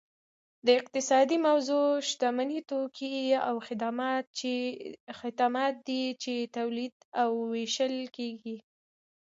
د اقتصاد موضوع شتمني توکي او خدمات دي چې تولید او ویشل کیږي